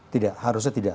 tidak harusnya tidak